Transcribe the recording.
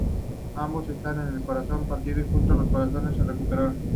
Ambos estaban con el corazón partido y juntos los corazones se recuperaron.